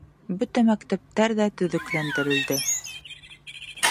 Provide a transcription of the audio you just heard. — Бөтә мәктәптәр ҙә төҙөкләндерелде.